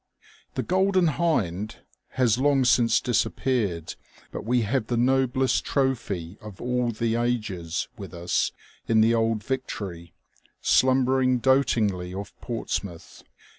*' The Golden Hind has long since disappeared, but we have the noblest trophy of all the ages with us in the old Victory, slumbering dotingly off Portsmouth.